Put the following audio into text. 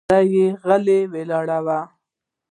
زوی يې غلی ولاړ و.